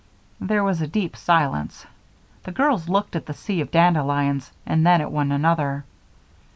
There was a deep silence. The girls looked at the sea of dandelions and then at one another.